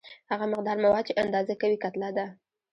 هغه مقدار مواد چې اندازه کوي کتله ده.